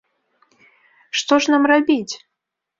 Што ж нам рабіць?